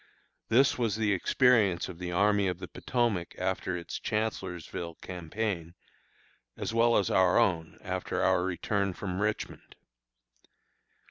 This was the experience of the Army of the Potomac after its Chancellorsville campaign, as well as our own after our return from Richmond.